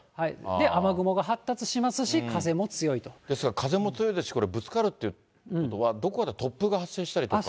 雨雲が発達しますし、風も強ですから風も強いですから、これ、ぶつかるっていうことは、どこかで突風が発生したりとか。